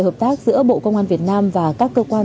hợp tác giữa bộ công an việt nam và các cơ quan